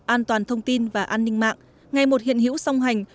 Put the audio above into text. an toàn thông tin và an ninh mạng ngày một hiện hữu song hành